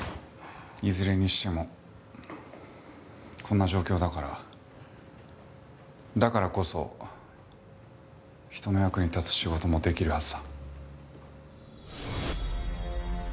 いずれにしてもこんな状況だからだからこそ人の役に立つ仕事もできるはずだ。